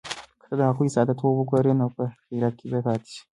که ته د هغوی ساده توب وګورې، نو په حیرت کې به پاتې شې.